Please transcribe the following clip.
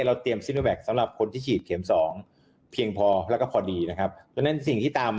บังสวนก็หันไปจองวัคสต์